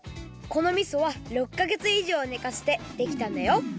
このみそは６かげついじょうねかせてできたんだよ